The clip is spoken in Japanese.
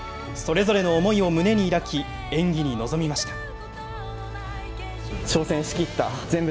それぞれの思いを胸に抱き、演技に臨みました。